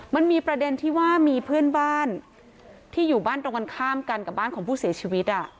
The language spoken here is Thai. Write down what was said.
มันมีประเด็นที่ว่ามีเพื่อนบ้านที่อยู่บ้านตรงกันข้ามกันกับบ้านของผู้เสียชีวิต